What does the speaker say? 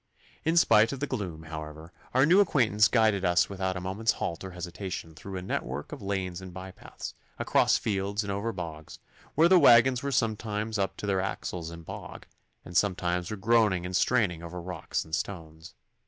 In spite of the gloom, however, our new acquaintance guided us without a moment's halt or hesitation through a network of lanes and bypaths, across fields and over bogs, where the waggons were sometimes up to their axles in bog, and sometimes were groaning and straining over rocks and stones.